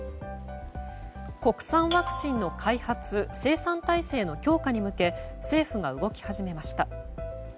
国産ワクチンの開発生産体制の強化に向け政府が動き始めました。